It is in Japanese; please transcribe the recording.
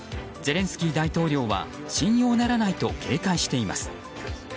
ゼレンスキー大統領は信用ならないと警戒しています。